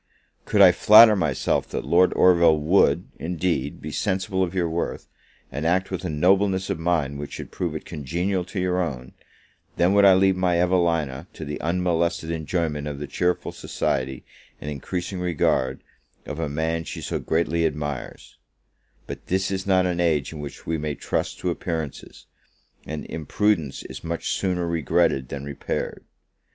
Could I flatter myself that Lord Orville would, indeed, be sensible of your worth, and act with a nobleness of mind which should prove it congenial to your own, then would I leave my Evelina to the unmolested enjoyment of the cheerful society, and increasing regard, of a man she so greatly admires: but this is not an age in which we may trust to appearances; and imprudence is much sooner regretted than repaired.